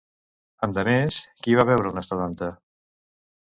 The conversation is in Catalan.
Endemés, qui va veure una estadanta?